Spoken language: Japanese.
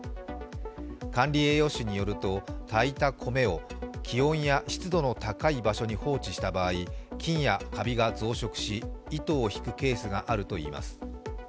管理栄養士によると、炊いた米を気温や湿度が高い部屋に放置した場合菌やかびが増殖し、糸を引くケースがあるといいます。